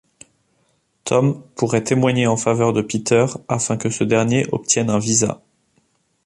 Tom pourrait témoigner en faveur de Peter afin que ce dernier obtienne un visa.